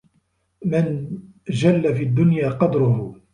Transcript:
مَنْ جَلَّ فِي الدُّنْيَا قَدْرُهُ